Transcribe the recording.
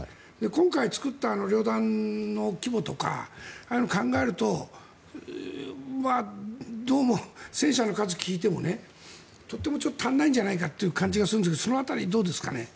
今回、作った旅団の規模とかああいうのを考えるとどうも戦車の数を聞いてもとても足りないんじゃないかという感じがするんですがその辺り、どうですかね。